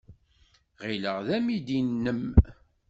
Ɣileɣ d amidi-nnem.